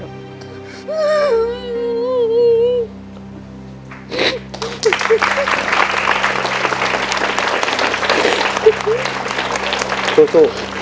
โทษโทษ